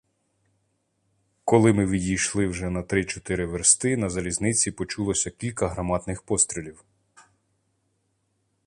Коли ми відійшли вже на три-чотири версти, на залізниці почулося кілька гарматних пострілів.